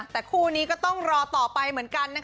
แต่คู่นี้ก็ต้องรอต่อไปเหมือนกัน